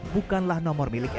bukanlah nomor misalnya